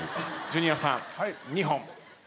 ジュニアさん２本。